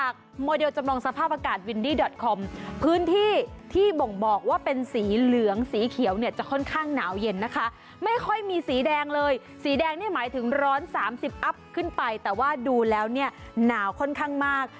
กลายไม่เป็นไปแต่ว่าดูแล้วเนี่ยหนาวก่อนข้างมาก